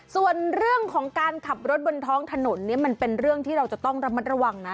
ส่วนเรื่องของการขับรถบนท้องถนนเนี่ยมันเป็นเรื่องที่เราจะต้องระมัดระวังนะ